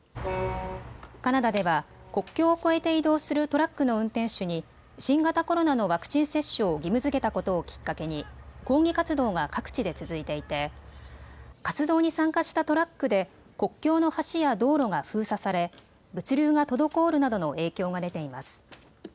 カナダでは国境を越えて移動するトラックの運転手に新型コロナのワクチン接種を義務づけたことをきっかけに抗議活動が各地で続いていて活動に参加したトラックで国境の橋や道路が封鎖され、物流が滞るなどの影響が出ています。